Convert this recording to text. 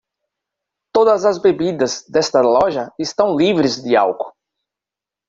Todas as bebidas desta loja estão livres de álcool.